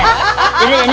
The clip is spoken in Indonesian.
apa lagi sih